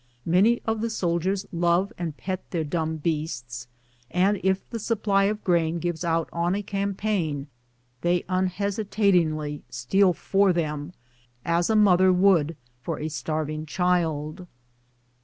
Many of the soldiers love and pet their dumb beasts, and if the supply of grain gives out on a campaign they unhesitatingly steal for them, as a mother would for a starving child.